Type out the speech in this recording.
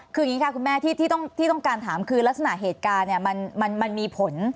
คืออย่างนี้ค่ะคุณแม่ที่ต้องการถามคือลักษณะเหตุการณ์มันมีผล